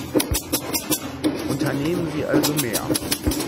Unternehmen Sie also mehr.